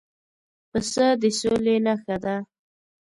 پسه د سولې نښه ده.